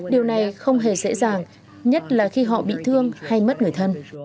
điều này không hề dễ dàng nhất là khi họ bị thương hay mất người thân